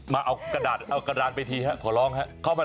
มาเอากระดาษไปทีครับขอล้องนะครับ